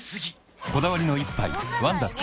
こだわりの一杯「ワンダ極」